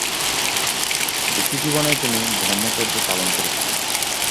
ব্যক্তিজীবনে তিনি ব্রহ্মচর্য পালন করেছিলেন।